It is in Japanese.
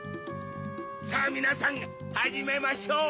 さぁみなさんはじめましょう！